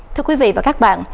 thưa quý vị và các bạn